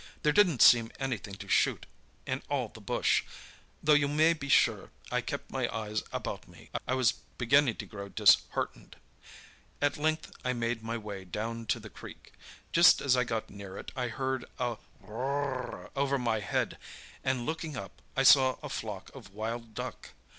There didn't seem anything to shoot in all the bush, though you may be sure I kept my eyes about me. I was beginning to grow disheartened. At length I made my way down to the creek. Just as I got near it, I heard a whirr r r over my head, and looking up, I saw a flock of wild duck.